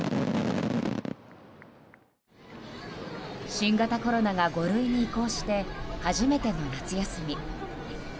新型コロナが５類に移行して初めての夏休み。